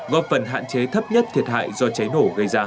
góp phần hạn chế thấp nhất thiệt hại do cháy nổ